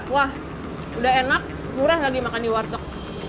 wah udah enak murah lagi makan di warteg